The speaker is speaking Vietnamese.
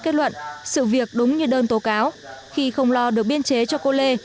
kết luận sự việc đúng như đơn tố cáo khi không lo được biên chế cho cô lê